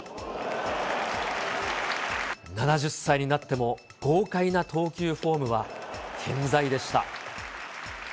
７０歳になっても豪快な投球フォームは健在でした。